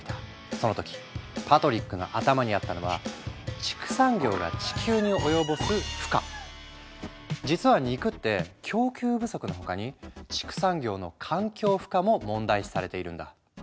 その時パトリックの頭にあったのは実は肉って供給不足の他に畜産業の環境負荷も問題視されているんだ。